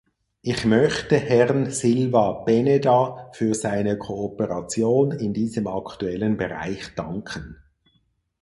Ich möchte Herrn Silva Peneda für seine Kooperation in diesem aktuellen Bereich danken.